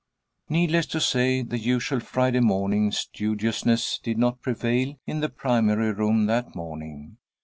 Needless to say, the usual Friday morning studiousness did not prevail in the primary room that morning.